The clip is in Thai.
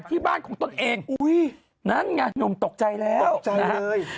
ที่บ้านของตนเองนั้นไงน้องตกใจแล้วตกใจเลย